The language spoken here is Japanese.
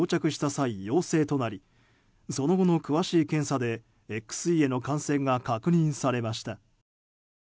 際陽性となりその後の詳しい検査でＸＥへの感染が確認されました。